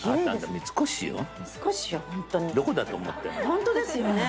ホントですよね。